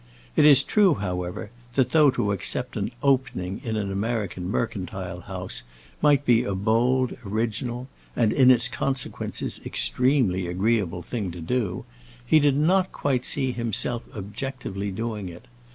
It is true, however, that though to accept an "opening" in an American mercantile house might be a bold, original, and in its consequences extremely agreeable thing to do, he did not quite see himself objectively doing it.